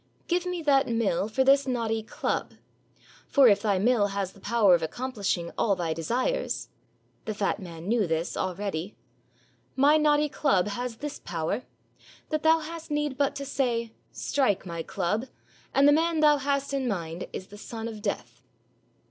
Give me that mill for this knotty club; for if thy mill has the power of accomplishing all thy desires [the fat man knew this already], my knotty club has this power, that thou hast need but to say, 'Strike, my club,' and the man thou hast in mind is the son of Death."